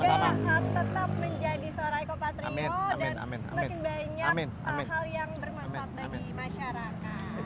banyak hal yang bermanfaat bagi masyarakat